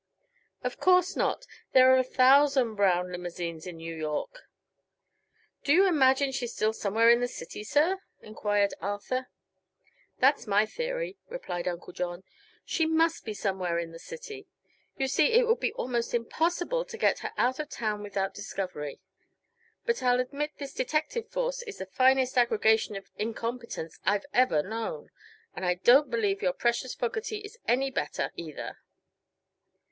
"Of course not. There are a thousand brown limousines in New York." "Do you imagine she's still somewhere in the city, sir?" enquired Arthur. "That's my theory," replied Uncle John. "She must be somewhere in the city. You see it would be almost impossible to get her out of town without discovery. But I'll admit this detective force is the finest aggregation of incompetents I've ever known and I don't believe your precious Fogerty is any better, either."